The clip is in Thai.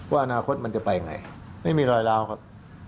ว่าอนาคตมันจะไปไงไม่มีรอยล้าครับ